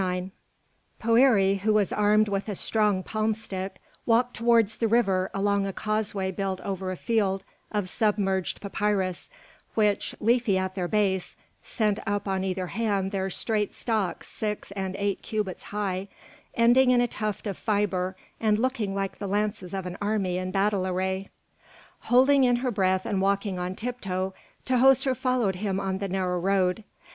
IX Poëri, who was armed with a strong palm stick, walked towards the river along a causeway built over a field of submerged papyrus which, leafy at their base, sent up on either hand their straight stalks six and eight cubits high, ending in a tuft of fibre and looking like the lances of an army in battle array. Holding in her breath and walking on tiptoe, Tahoser followed him on the narrow road.